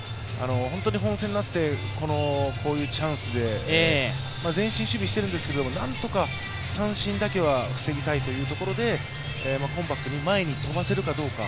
本当に本戦になってこういうチャンスで前進守備しているんですけどなんとか三振だけは防ぎたいというところでコンパクトに前に飛ばせるかどうか、